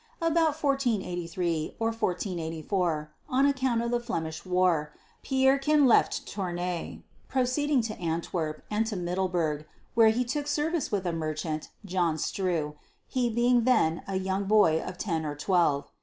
About 1483 or 1484, on account of the Flemish War, Pierrequin left Tournay, proceeding to Antwerp, and to Middleburg, where he took service with a merchant, John Strewe, he being then a young boy of ten or twelve.